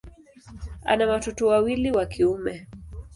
Ana watoto wawili wa kiume.